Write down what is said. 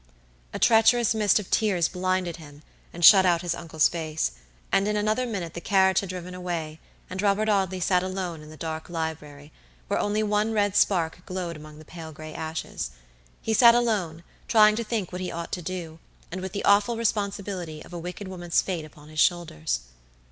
A treacherous mist of tears blinded him and shut out his uncle's face, and in another minute the carriage had driven away, and Robert Audley sat alone in the dark library, where only one red spark glowed among the pale gray ashes. He sat alone, trying to think what he ought to do, and with the awful responsibility of a wicked woman's fate upon his shoulders.